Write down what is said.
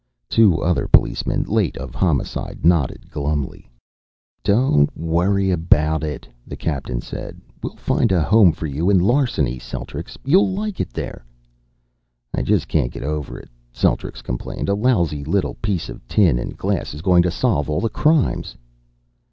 Two other policemen, late of Homicide, nodded glumly. "Don't worry about it," the captain said. "We'll find a home for you in Larceny, Celtrics. You'll like it here." "I just can't get over it," Celtrics complained. "A lousy little piece of tin and glass is going to solve all the crimes."